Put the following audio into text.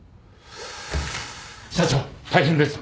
社長大変です。